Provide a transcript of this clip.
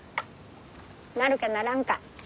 なるかならんか？